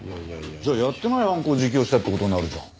じゃあやってない犯行を自供したって事になるじゃん。